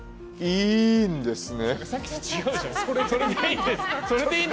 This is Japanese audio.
いいんですね？